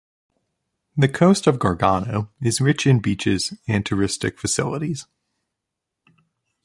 The coast of "Gargano" is rich in beaches and touristic facilities.